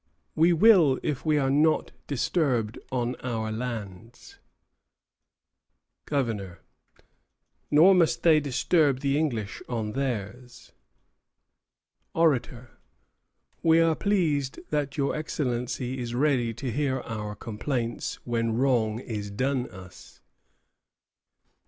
We will if we are not disturbed on our lands. GOVERNOR. Nor must they disturb the English on theirs. ORATOR. We are pleased that your Excellency is ready to hear our complaints when wrong is done us.